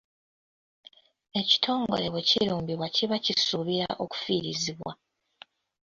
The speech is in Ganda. Ekitongole bwe kirumbibwa kiba kisuubirwa okufiirizibwa.